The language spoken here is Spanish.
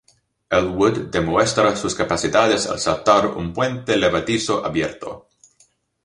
Elwood demuestra sus capacidades al saltar un puente levadizo abierto.